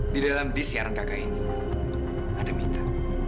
di dalam dis siaran kakak ini ada mita